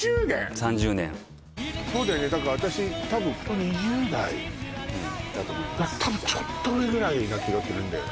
３０年そうだよねだから私多分２０代多分ちょっと上ぐらいな気がするんだよな